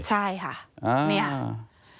ใช่ค่ะนี่